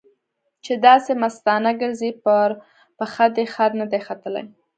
چې داسې مستانه ګرځې؛ پر پښه دې خر نه دی ختلی.